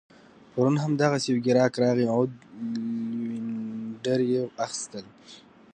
پرون هم دغسي یو ګیراک راغی عود لوینډر يې اخيستل